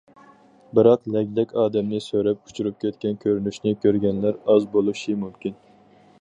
بىراق لەگلەك ئادەمنى سۆرەپ ئۇچۇرۇپ كەتكەن كۆرۈنۈشنى كۆرگەنلەر ئاز بولۇشى مۇمكىن.